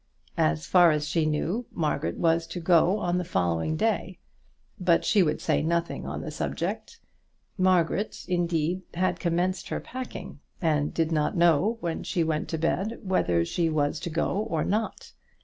As far as she knew, Margaret was to go on the following day, but she would say nothing on the subject. Margaret, indeed, had commenced her packing, and did not know when she went to bed whether she was to go or not.